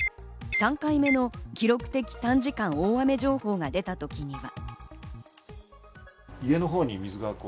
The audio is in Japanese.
３回目の記録的短時間大雨情報が出た時には。